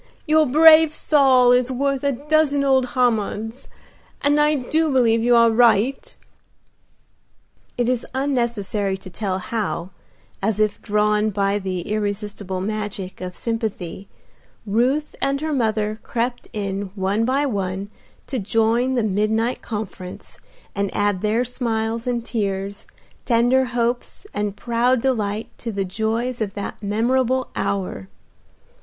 Your brave Saul is worth a dozen old Hammonds, and I do believe you are right." It is unnecessary to tell how, as if drawn by the irresistible magic of sympathy, Ruth and her mother crept in one by one to join the midnight conference and add their smiles and tears, tender hopes and proud delight to the joys of that memorable hour.